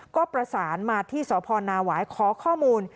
ก็ประสานมาที่สพนาหวายขอข้อมูล